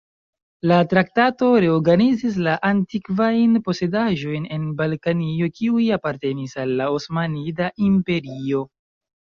La traktato reorganizis la antikvajn posedaĵojn en Balkanio kiuj apartenis al la Osmanida Imperio.